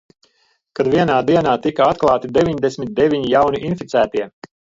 Kad vienā dienā tika atklāti deviņdesmit deviņi jauni inficētie.